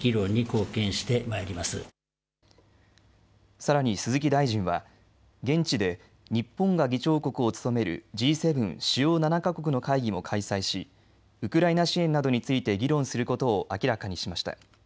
さらに鈴木大臣は現地で日本が議長国を務めるＧ７・主要７か国の会議も開催しウクライナ支援などについて議論することを明らかにしました。